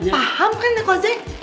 paham kan nek ojek